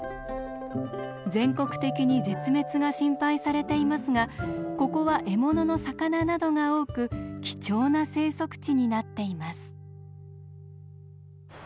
全国的に絶滅が心配されていますがここは獲物の魚などが多く貴重な生息地になっています。